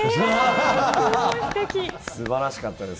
すばらしかったです。